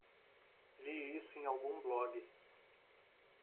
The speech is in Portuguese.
Li isso em algum blog